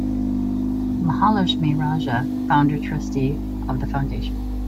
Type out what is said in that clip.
Mahalakshmi Raja, founder trustee of the Foundation.